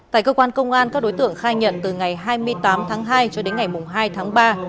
tại cơ quan công an các đối tượng khai nhận từ ngày hai mươi tám tháng hai cho đến ngày hai tháng ba